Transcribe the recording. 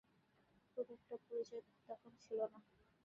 খুব একটা পরিচয় তখন ছিল না।